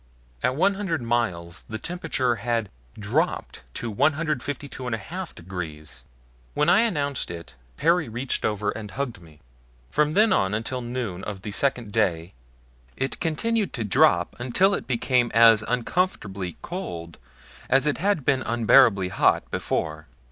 At one hundred miles the temperature had DROPPED TO 152 1/2 DEGREES! When I announced it Perry reached over and hugged me. From then on until noon of the second day, it continued to drop until it became as uncomfortably cold as it had been unbearably hot before.